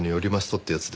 ってやつで。